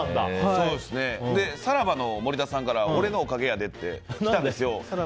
さらばの森田さんからは俺のおかげやでって来たんです。